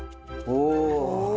お。